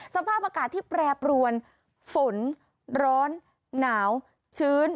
สภาพอากาศที่แปรปรวนฝนร้อนหนาวชื้น